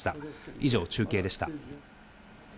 以上、中継でした。